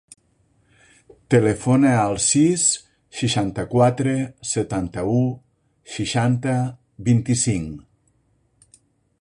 Telefona al sis, seixanta-quatre, setanta-u, seixanta, vint-i-cinc.